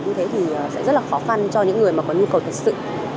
như thế thì sẽ rất là khó khăn cho những người mà có nhu cầu thật sự